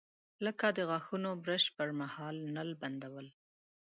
لکه د غاښونو برش پر مهال نل بندول.